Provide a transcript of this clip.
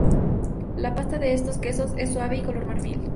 La pasta de estos quesos es suave y color marfil.